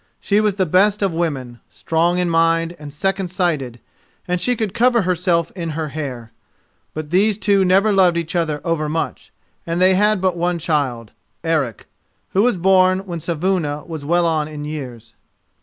She was the best of women, strong in mind and second sighted, and she could cover herself in her hair. But these two never loved each other overmuch, and they had but one child, Eric, who was born when Saevuna was well on in years.